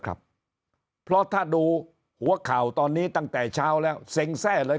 ครับเพราะถ้าดูหัวข่าวตอนนี้ตั้งแต่เช้าแล้วเซ็งแทร่เลย